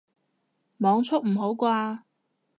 網速唔好啩